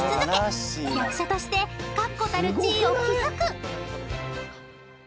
役者として確固たる地位を築く］